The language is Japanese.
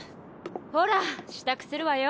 ほら支度するわよ！